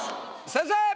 先生！